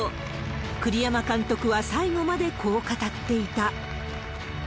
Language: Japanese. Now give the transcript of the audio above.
栗山監督は最後までこう語っていた。